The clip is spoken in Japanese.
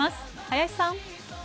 林さん。